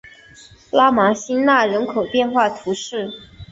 拉芒辛讷人口变化图示